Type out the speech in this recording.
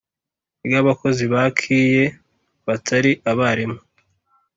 Ry abakozi ba kie batari abarimu